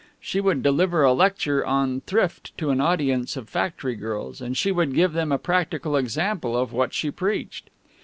She would deliver a lecture on thrift to an audience of factory girls, and she would give them a practical example of what she preached.